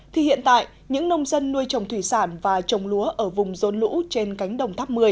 thì hiện tại những nông dân nuôi trồng thủy sản và trồng lúa ở vùng rôn lũ trên cánh đồng tháp một mươi